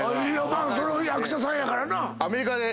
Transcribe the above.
まあそれは役者さんやからな。